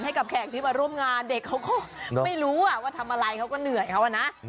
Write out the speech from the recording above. แขกที่มาร่วมงานเด็กเขาก็ไม่รู้ว่าทำอะไรเขาก็เหนื่อยเขาอะนะ